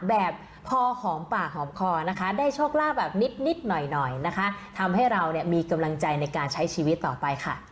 แบบพอหอมปากหอมคอนะคะได้โชคลาภแบบนิดหน่อยหน่อยนะคะทำให้เราเนี่ยมีกำลังใจในการใช้ชีวิตต่อไปค่ะ